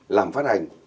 làm phát hành